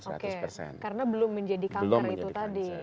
karena belum menjadi kanker itu tadi